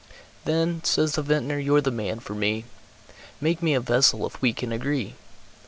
"Then," says the Vintner, "you're the man for me, Make me a vessel, if we can agree.